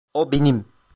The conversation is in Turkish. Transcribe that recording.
O benim!